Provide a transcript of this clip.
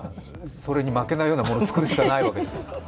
それに負けないようなものを作るしかないわけですよ。